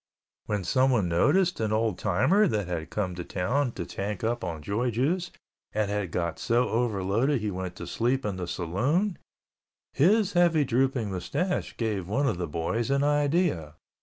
When someone noticed an old timer that had come to town to tank up on joy juice and had got so overloaded he went to sleep in the saloon, his heavy drooping moustache gave one of the boys an idea.